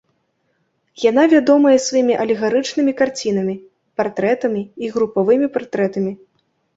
Яна вядомая сваімі алегарычнымі карцінамі, партрэтамі і групавымі партрэтамі.